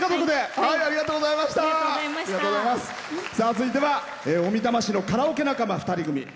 続いては小美玉市のカラオケ仲間２人組。